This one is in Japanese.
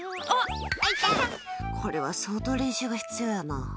これは相当練習が必要やな。